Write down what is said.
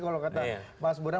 kalau kata mas burhan